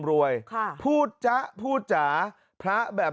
มีพฤติกรรมเสพเมถุนกัน